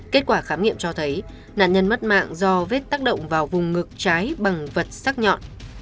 kết quả khám nghiệm cho thấy nạn nhân mất mạng do vết tác động vào vùng ngực trái bằng vật sắc nhọn